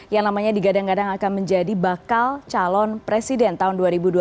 yang namanya digadang gadang akan menjadi bakal calon presiden tahun dua ribu dua puluh